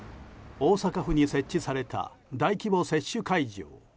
大阪府に設置された大規模接種会場。